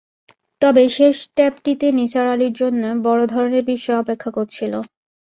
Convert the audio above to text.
তবে শেষ টেপটিতে নিসার আলির জন্যে বড় ধরনের বিস্ময় অপেক্ষা করছিল।